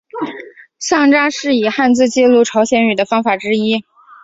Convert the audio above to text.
乡札是以汉字记录朝鲜语的方法之一。